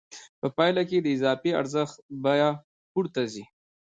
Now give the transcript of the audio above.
په پایله کې د اضافي ارزښت بیه پورته ځي